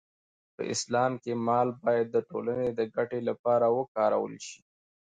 په اسلام کې مال باید د ټولنې د ګټې لپاره وکارول شي.